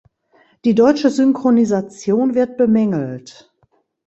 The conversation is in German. Die deutsche Synchronisation wird bemängelt.